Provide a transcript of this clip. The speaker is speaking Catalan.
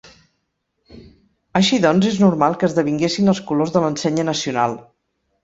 Així doncs, és normal que esdevinguessin els colors de l'ensenya nacional.